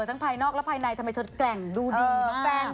ภายนอกและภายในทำไมเธอแกร่งดูดีมาก